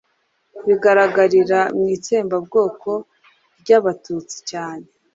bigaragarira mw'itsembabwoko ry'Abatutsi cyane